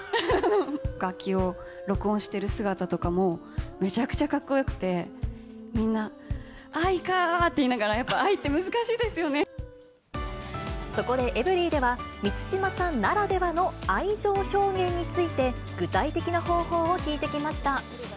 楽器を録音してる姿とかも、めちゃくちゃかっこよくて、みんな、愛かーって言いながら、そこで、エブリィでは、満島さんならではの愛情表現について具体的な方法を聞いてきました。